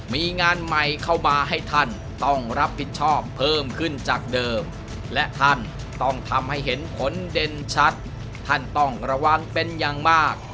มีงานใหม่เข้ามาให้ท่านต้องรับผิดชอบเพิ่มขึ้นจากเดิมและท่านต้องทำให้เห็นผลเด่นชัดท่านต้องระวังเป็นอย่างมาก